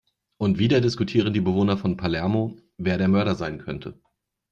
Und wieder diskutieren die Bewohner von Palermo, wer der Mörder sein könnte.